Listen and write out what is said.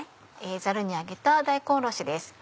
ざるにあげた大根おろしです。